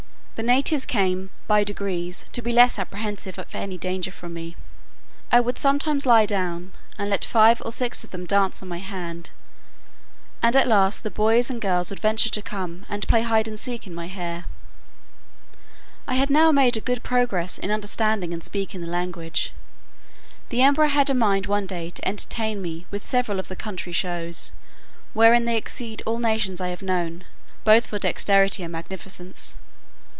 The natives came, by degrees, to be less apprehensive of any danger from me. I would sometimes lie down, and let five or six of them dance on my hand; and at last the boys and girls would venture to come and play at hide and seek in my hair. I had now made a good progress in understanding and speaking the language. The emperor had a mind one day to entertain me with several of the country shows, wherein they exceed all nations I have known, both for dexterity and magnificence.